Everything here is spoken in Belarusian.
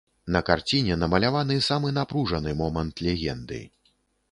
На карціне намаляваны самы напружаны момант легенды.